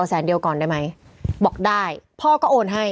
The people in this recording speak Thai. แสนเดียวก่อนได้ไหมบอกได้พ่อก็โอนให้